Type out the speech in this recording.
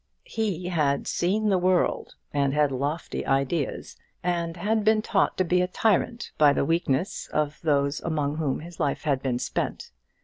He had seen the world, and had lofty ideas, and had been taught to be a tyrant by the weakness of those among whom his life had been spent.